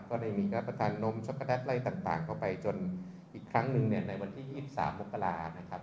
ก็ได้มีรับประทานนมช็อกโกแลตไล่ต่างเข้าไปจนอีกครั้งหนึ่งเนี่ยในวันที่๒๓มกรานะครับ